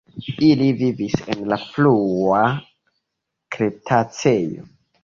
Ili vivis en la frua kretaceo.